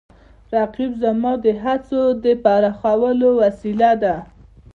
رقیب زما د هڅو د پراخولو وسیله ده